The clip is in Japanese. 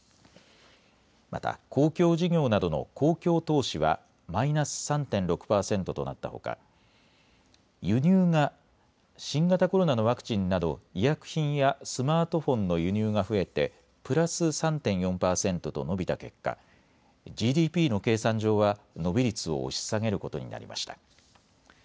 また公共事業などの公共投資はマイナス３．６％となったほか輸入が、新型コロナのワクチンなど医薬品やスマートフォンの輸入が増えてプラス３．４％と伸びた結果、ＧＤＰの計算上は伸び率を押し下げることになりました。